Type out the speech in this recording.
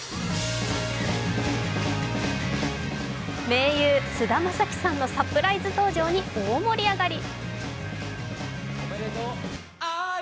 盟友、菅田将暉さんのサプライズ登場に大盛り上がり。